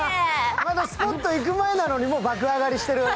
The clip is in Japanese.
まだスポット行く前なのに爆上がりしてる。